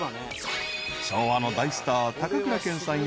［昭和の大スター高倉健さんや］